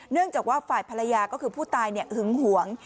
เนื่องจากว่าฝ่ายภรรยาก็คือผู้ตายหึงหวง